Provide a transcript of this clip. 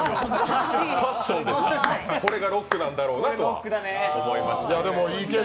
これがロックなんだろうと思いました。